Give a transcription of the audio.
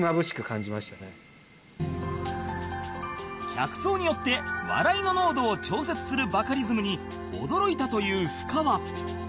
客層によって笑いの濃度を調節するバカリズムに驚いたというふかわ